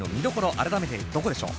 改めてどこでしょう？